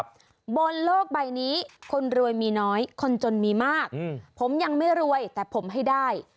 บนโลกใบนี้คนรวยมีน้อยคนจนมีมากผมยังไม่รวยแต่ผมให้ได้